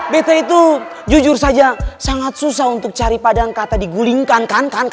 bt itu jujur saja sangat susah untuk cari padang kata digulingkan kan